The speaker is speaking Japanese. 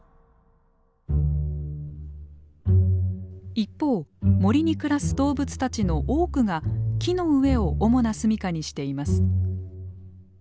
一方森に暮らす動物たちの多くが木の上を主な住みかにしています。